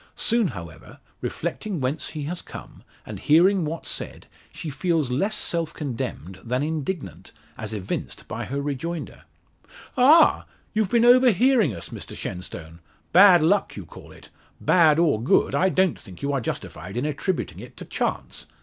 Soon, however, reflecting whence he has come, and hearing what said, she feels less self condemned than indignant, as evinced by her rejoinder. "Ah! you've been overhearing us, Mr Shenstone! Bad luck, you call it. Bad or good, I don't think you are justified in attributing it to chance.